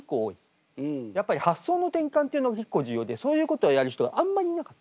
やっぱり発想の転換っていうのが結構重要でそういうことをやる人はあんまりいなかった。